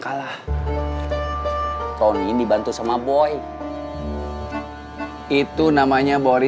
tapi gitu sama ni si dari mental